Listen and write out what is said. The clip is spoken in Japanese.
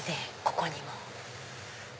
ここにも。